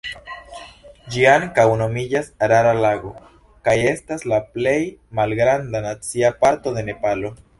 Ĝi ankaŭ nomiĝas Rara Lago, kaj estas la plej malgranda nacia parko de Nepalo.